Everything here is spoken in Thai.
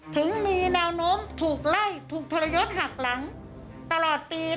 ถึงมีแนวโน้มถูกไล่ถูกทรยศหักหลังตลอดปี